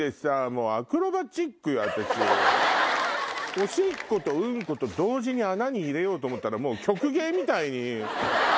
おしっことうんこと同時に穴に入れようと思ったら曲芸みたいに。